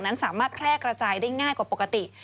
นั้นสามารถแพร่กระจายได้ง่ายกว่าปกติ